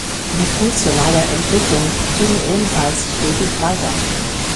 Die funktionale Entwicklung ging ebenfalls stetig weiter.